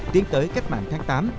tiến tới cách mạng kháng tám